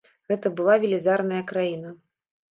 Гэта была велізарная краіна.